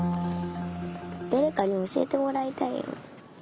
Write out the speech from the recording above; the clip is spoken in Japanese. だれかにおしえてもらいたいよね。